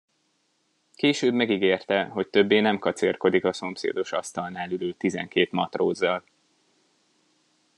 Később megígérte, hogy többé nem kacérkodik a szomszédos asztalnál ülő tizenkét matrózzal.